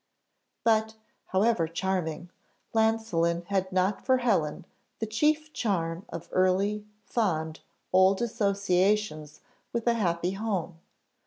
But, however charming, Llansillen had not for Helen the chief charm of early, fond, old associations with a happy home.